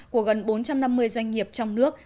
của gần bốn trăm năm mươi doanh nghiệp trong nước